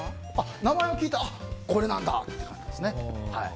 名前を聞いてこれなんだって感じですね。